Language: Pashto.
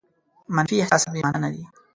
منفي احساسات بې مانا نه دي.